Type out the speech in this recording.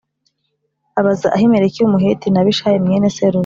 abaza Ahimeleki w’Umuheti na Abishayi mwene Seruya